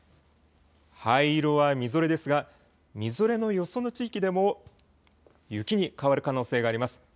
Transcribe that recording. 灰色はみぞれですがみぞれの予想の地域でも雪に変わる可能性があります。